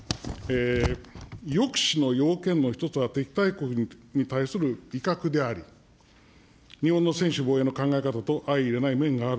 抑止の要件の一つは敵対国に対する威嚇であり、日本の専守防衛の考え方と相いれない面がある。